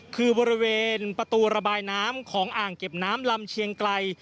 คือบริเวณประตูระบายน้ำของอ่างเก็บน้ำลำเชียงไกล